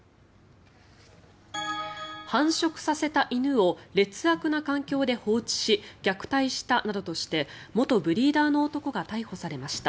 繁殖させた犬を劣悪な環境で放置し虐待したなどとして元ブリーダーの男が逮捕されました。